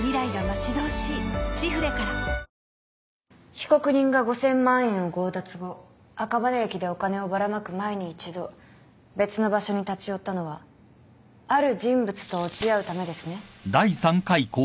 被告人が５，０００万円を強奪後赤羽駅でお金をばらまく前に一度別の場所に立ち寄ったのはある人物と落ち合うためですね。